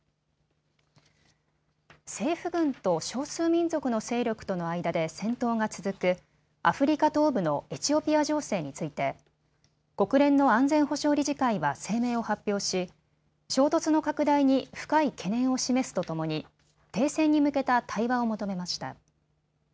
政府軍と少数民族の勢力との間で戦闘が続くアフリカ東部のエチオピア情勢について国連の安全保障理事会は声明を発表し衝突の拡大に深い懸念を示すとともに停戦に向けた対話を求めました。